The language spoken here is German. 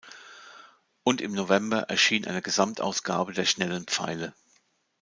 Und im November erschien eine Gesamtausgabe der Schnellen Pfeile.